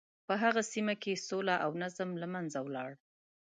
په هغه سیمه کې سوله او نظم له منځه ولاړ.